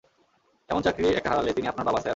এমন চাকরি একটা হারালে তিনি আপনার বাবা, স্যার!